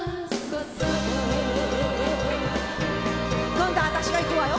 今度は私がいくわよ。